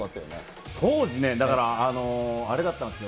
当時ね、あれだったんですよ。